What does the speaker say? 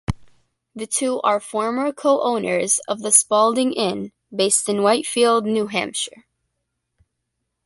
The two are former co-owners of the Spalding Inn, based in Whitefield, New Hampshire.